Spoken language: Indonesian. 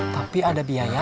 tapi ada biaya